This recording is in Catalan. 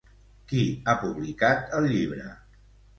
Qui ha publicat el llibre?